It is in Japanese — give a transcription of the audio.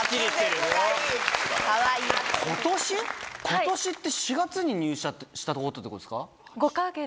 今年って４月に入社したってことですか？